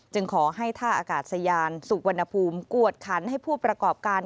ขอให้ท่าอากาศยานสุวรรณภูมิกวดขันให้ผู้ประกอบการ